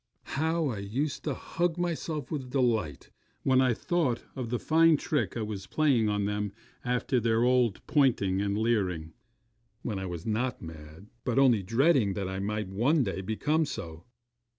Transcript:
How I used to hug myself with delight, when I thought of the fine trick I was playing them after their old pointing and leering, when I was not mad, but only dreading that I might one day become so!